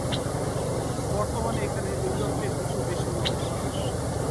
বর্তমানে এখানে দুই লক্ষের কিছু বেশি লোকের বাস।